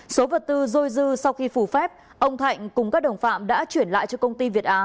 số vật tư dôi dư sau khi phủ phép ông thạnh cùng các đồng phạm đã chuyển lại cho công ty việt á